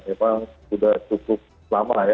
memang sudah cukup lama ya